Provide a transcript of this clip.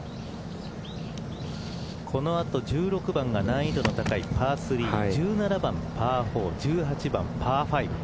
この後１６番が難易度の高いパー３１７番パー４、１８番パー５。